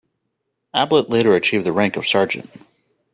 Ablett later achieved the rank of sergeant.